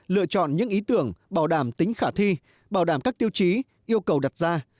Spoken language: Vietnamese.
lựa chọn những ý tưởng bảo đảm tính khả thi bảo đảm các tiêu chí yêu cầu đặt ra